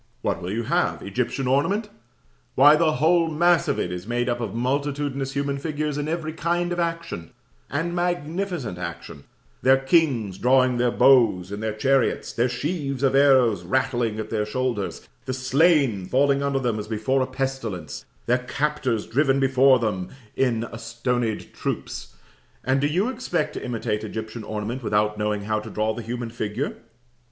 What will you have? Egyptian ornament? Why, the whole mass of it is made up of multitudinous human figures in every kind of action and magnificent action; their kings drawing their bows in their chariots, their sheaves of arrows rattling at their shoulders; the slain falling under them as before a pestilence; their captors driven before them in astonied troops; and do you expect to imitate Egyptian ornament without knowing how to draw the human figure?